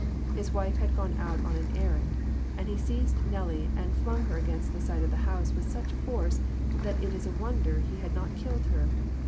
His wife had gone out on an errand, and he seized Nellie and flung her against the side of the house with such force that it is a wonder he had not killed her.